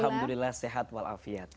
alhamdulillah sehat walafiat